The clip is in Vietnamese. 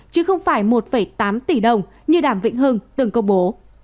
chứ không phải một tám tỷ đồng như đàm vĩnh hưng từng công bố